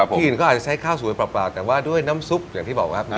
ที่อื่นก็อาจจะใช้ข้าวสวยเปล่าแต่ว่าด้วยน้ำซุปอย่างที่บอกครับ